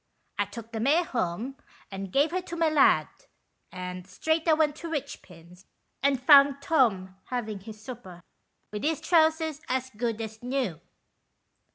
" I took the mare home and gave her to my lad, and straight I went to Richpin's, and found Tom havin' his supper, with his trousers as good as new."